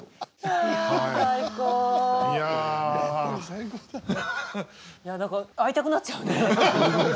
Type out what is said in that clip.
いや何か会いたくなっちゃうね。